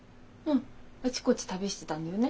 あちこち旅してたんだよね？